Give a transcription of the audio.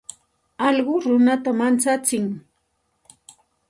Alluqu runata manchatsin.